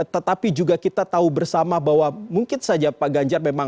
tetapi juga kita tahu bersama bahwa mungkin saja pak ganjar memang